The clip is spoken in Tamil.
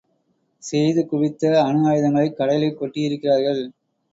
செய்து குவித்த அணு ஆயுதங்களைக் கடலில் கொட்டியிருக்கிறார்கள்.